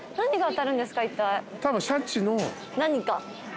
何か。